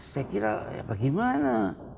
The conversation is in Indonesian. saya kira ya bagaimana